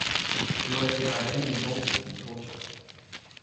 He always denied any involvement in torture.